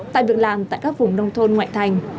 tạo việc làm tại các vùng nông thôn ngoại thành